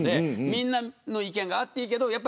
みんなの意見があっていいけど。